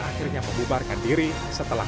akhirnya membubarkan diri setelah